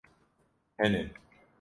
Hene